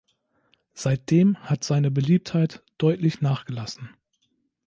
Seitdem hat seine Beliebtheit deutlich nachgelassen.